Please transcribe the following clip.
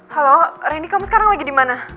halo renny kamu sekarang lagi dimana